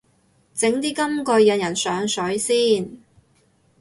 整啲金句引人上水先